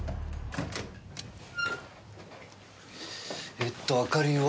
えっと明かりは？